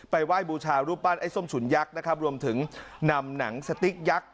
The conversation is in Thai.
ไหว้บูชารูปปั้นไอ้ส้มฉุนยักษ์นะครับรวมถึงนำหนังสติ๊กยักษ์